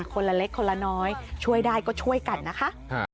คนละเล็กคนละน้อยช่วยได้ก็ช่วยกันนะคะ